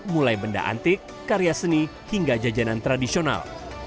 mulai benda antik karya seni hingga jajanan tradisional